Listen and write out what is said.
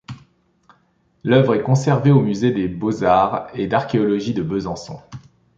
L'œuvre est conservée au musée des Beaux-Arts et d'Archéologie de Besançon.